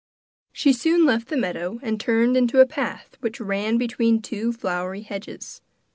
She soon left the meadow and turned into a path which ran between two flowery hedges.